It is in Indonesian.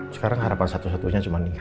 sekarang harapan satu satunya cuma nikah